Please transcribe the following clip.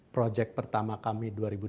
proyek pertama kami dua ribu dua puluh